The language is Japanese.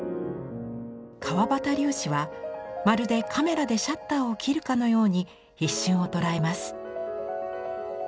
川端龍子はまるでカメラでシャッターを切るかのように一瞬を捉えます。